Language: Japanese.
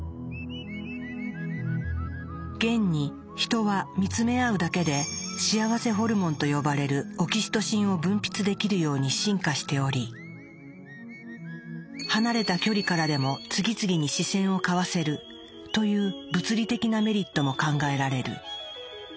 現にヒトは見つめ合うだけで「幸せホルモン」と呼ばれるオキシトシンを分泌できるように進化しており「離れた距離からでも次々に視線を交わせる」という物理的なメリットも考えられる。